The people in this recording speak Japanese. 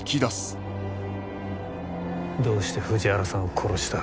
どうして藤原さんを殺した？